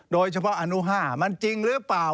โดยเฉพาะอนุห้ามันจริงหรือเปล่า